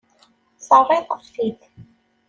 Terriḍ-aɣ-t-id.